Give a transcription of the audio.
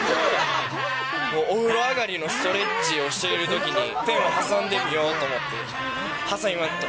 お風呂上がりのストレッチをしているときにペンを挟んでみようと思って挟みました。